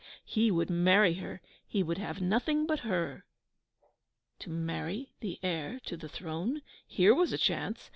He would marry her he would have nothing but her! To marry the heir to the throne! Here was a chance!